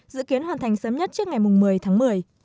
dự kiến hoàn thành sớm nhất trước ngày một mươi tháng một mươi